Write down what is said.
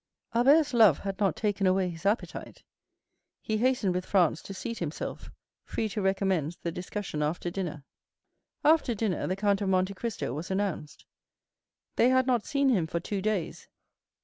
Albert's love had not taken away his appetite. He hastened with Franz to seat himself, free to recommence the discussion after dinner. After dinner, the Count of Monte Cristo was announced. They had not seen him for two days.